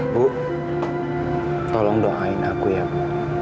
bu tolong doain aku ya bu